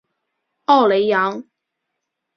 奥雷扬。